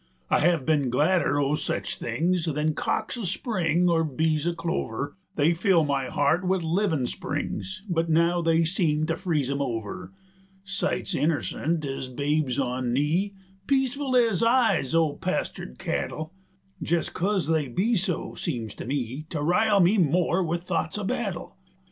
I hev ben gladder o' sech things, 65 Than cocks o' spring or bees o' clover, They filled my heart with livin' springs, But now they seem to freeze 'em over; Sights innercent ez babes on knee, Peaceful ez eyes o' pastur'd cattle, 70 Jes' coz they be so, seem to me To rile me more with thoughts o' battle.